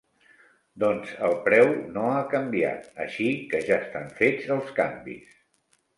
Doncs el preu no ha canviat, així que ja estan fets els canvis.